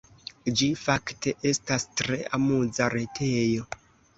Ĝi fakte estas tre amuza retejo.